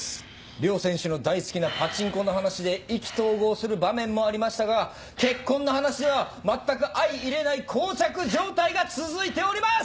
両選手の大好きなパチンコの話で意気投合する場面もありましたが結婚の話は全く相いれない膠着状態が続いております！